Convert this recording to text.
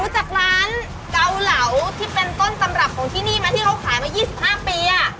รู้จักร้านเก่าเหลาที่เป็นต้นตำรับของที่นี่ไหมที่เขาขายมายี่สิบห้าปีอ่ะ